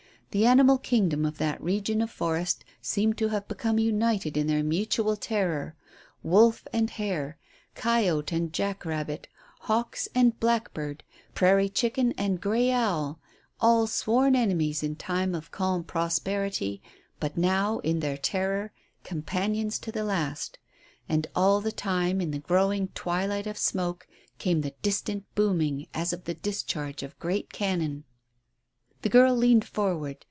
The animal kingdom of that region of forest seemed to have become united in their mutual terror wolf and hare, coyote and jack rabbit, hawks and blackbird, prairie chicken and grey owl; all sworn enemies in time of calm prosperity, but now, in their terror, companions to the last. And all the time, in the growing twilight of smoke, came the distant booming as of the discharge of great cannon. The girl leaned forward.